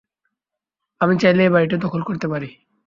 আমি চাইলে এই বাড়িটি দখল করতে পারি।